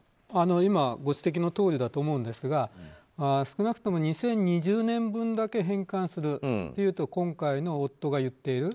今、ご指摘のとおりだと思うんですが少なくとも２０２０年分だけ返還するというと今回の夫が言っている。